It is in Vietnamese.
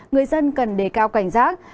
người dân cần đề cao cảnh giác